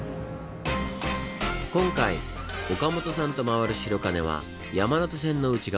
今回岡本さんと回る白金は山手線の内側。